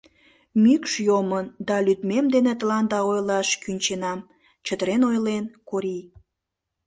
— Мӱкш йомын да лӱдмем дене тыланда ойлаш кӱнченам, — чытырен ойлен Корий.